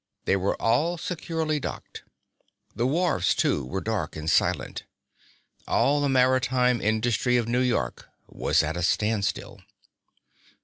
They were all securely docked. The wharves, too, were dark and silent. All the maritime industry of New York was at a standstill.